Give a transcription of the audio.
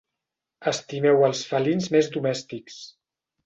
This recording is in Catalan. Estimeu els felins més domèstics.